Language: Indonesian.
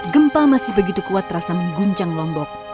gempa masih begitu kuat terasa mengguncang lombok